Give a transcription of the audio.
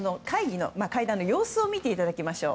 会談の様子を見ていただきましょう。